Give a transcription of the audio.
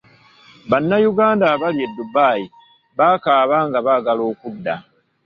Bannayuganda abali e Dubai bakaaba nga baagala okudda.